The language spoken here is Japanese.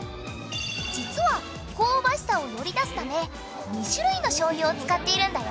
実は香ばしさをより出すため２種類の醤油を使っているんだよ。